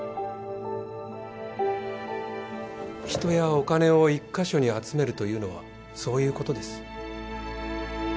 人やお金を１カ所に集めるというのはそういうことです。